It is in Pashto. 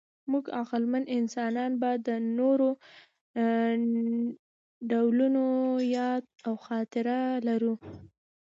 موږ عقلمن انسانان به د نورو ډولونو یاد او خاطره لرو.